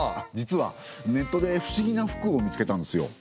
実はネットで不思議な服を見つけたんですよ。